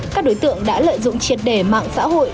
các đối tượng đã lợi dụng triệt đề mạng xã hội